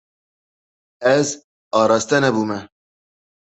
Ez araste nebûme.